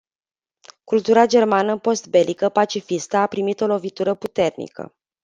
Cultura germană postbelică pacifistă a primit o lovitură puternică.